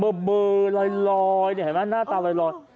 แบบเบอร์รอยน่าเตาอยู่รอย